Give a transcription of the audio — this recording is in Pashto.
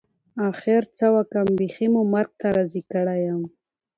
اخر څه وکړم بيخي مو مرګ ته راضي کړى يم.